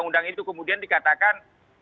punya waktu itu kemudian dicel quelques shoots